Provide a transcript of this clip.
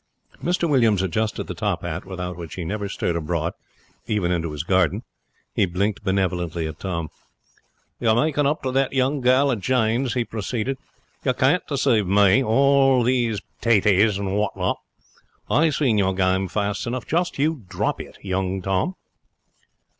Mr Williams adjusted the top hat without which he never stirred abroad, even into his garden. He blinked benevolently at Tom. 'You're making up to that young gal of Jane's,' he proceeded. 'You can't deceive me. All these p'taties, and what not. I seen your game fast enough. Just you drop it, young Tom.'